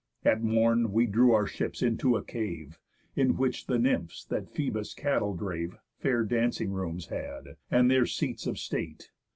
At morn we drew our ships into a cave, In which the Nymphs that Phœbus' cattle drave Fair dancing rooms had, and their seats of state.